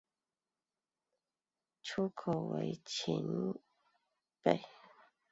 出口为横琴北。